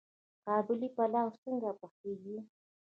قابلي پلاو څنګه پخیږي؟